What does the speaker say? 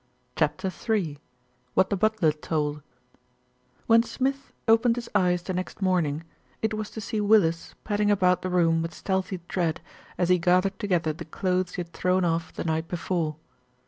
CHAPTER III WHAT THE BUTLER TOLD WHEN Smith opened his eyes the next morn ing, it was to see Willis padding about the room with stealthy tread, as he gathered to gether the clothes he had thrown off the night before.